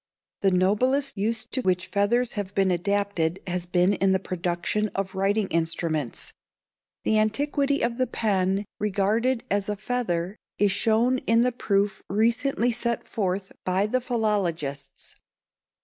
The noblest use to which feathers have been adapted has been in the production of writing instruments. The antiquity of the pen, regarded as a feather, is shown in the proof recently set forth by the philologists.